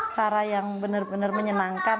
cara yang benar benar menyenangkan